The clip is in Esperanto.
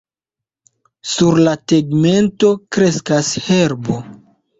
Sur la tegmento kreskas herbo.